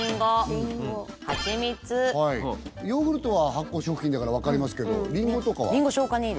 ヨーグルトは発酵食品だから分かりますけどリンゴとかは？